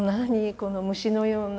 この虫のような。